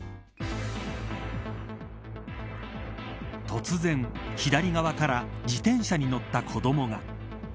突然、左側から自転車に乗った子どもが。